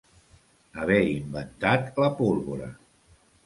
Haver inventat la pólvora.